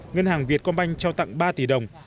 ngân hàng việt công banh trao tặng ba tỷ đồng